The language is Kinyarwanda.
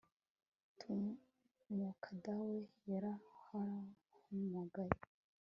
tumuka! dawe yarahamagaye